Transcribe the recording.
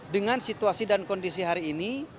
dengan situasi dan kondisi hari ini